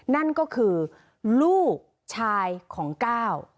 นั่นก็คือลูกชายของก้าว